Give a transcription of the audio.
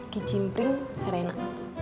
ki cimpring serena